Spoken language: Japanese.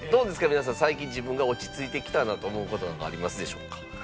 皆さん最近自分が落ち着いてきたなと思う事なんかありますでしょうか？